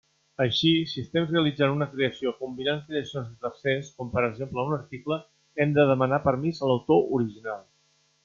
Així, si estem realitzant una creació combinant creacions de tercers, com per exemple un article, hem de demanar permís a l'autor original.